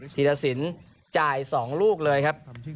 ธีรสินจ่าย๒ลูกเลยครับ